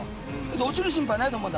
落ちる心配ないと思うんだ。